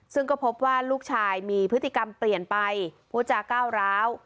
ซึ่งก็พบว่าลูกชายมีพฤติกรรมเปลี่ยนไปผู้จาก้าวร้าว